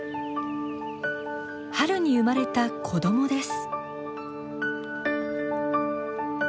春に生まれた子どもです。